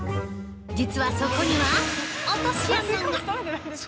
実はそこには落とし穴が。